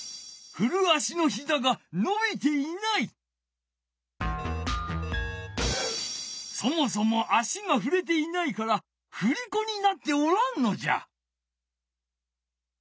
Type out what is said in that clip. ふる足のそもそも足がふれていないからふりこになっておらんのじゃ。